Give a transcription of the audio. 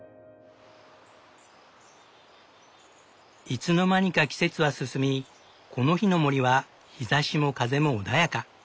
いつの間にか季節は進みこの日の森は日ざしも風も穏やか。